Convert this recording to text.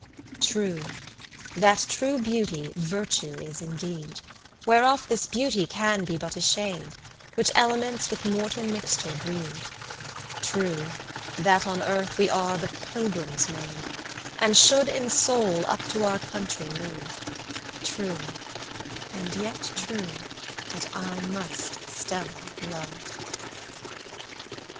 True, that ture beauty virtue is indeed, Whereof this beauty can be but a shade, Which elements with mortal mixture breed: True, that on earth we are but pilgrims made, And should in soul up to our country move: True, and yet true that I must Stella love.